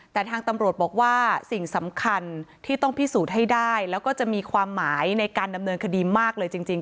แต่ทางตำรวจบอกว่าสิ่งสำคัญที่ต้องพิสูจน์ให้ได้แล้วก็จะมีความหมายในการดำเนินคดีมากเลยจริง